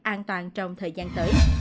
an toàn trong thời gian tới